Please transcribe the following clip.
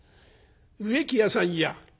「植木屋さんや。